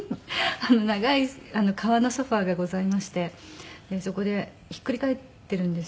長い革のソファがございましてそこでひっくり返っているんですよ。